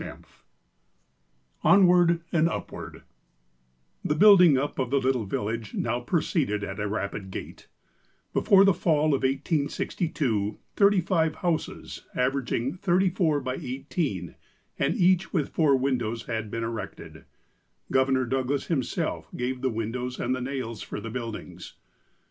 XXII ONWARD AND UPWARD THE building up of the little village now proceeded at a rapid gait. Before the Fall of 1862, thirty five houses, averaging 34x18, and each with four windows, had been erected. Governor Douglas himself gave the windows and the nails for the buildings.